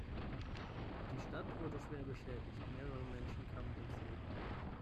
Die Stadt wurde schwer beschädigt, mehrere Menschen kamen ums Leben.